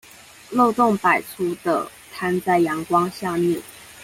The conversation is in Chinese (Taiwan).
漏洞百出的攤在陽光下面